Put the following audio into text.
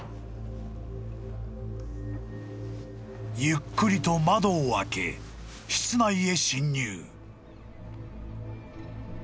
［ゆっくりと窓を開け室内へ侵入］